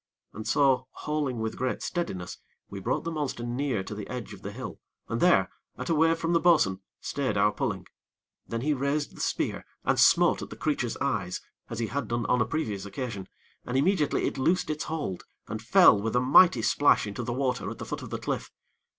And so, hauling with great steadiness, we brought the monster near to the edge of the hill, and there, at a wave from the bo'sun, stayed our pulling. Then he raised the spear, and smote at the creature's eyes, as he had done on a previous occasion, and immediately it loosed its hold, and fell with a mighty splash into the water at the foot of the cliff.